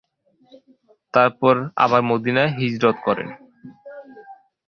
তারপর আবার মদীনায় হিজরত করেন।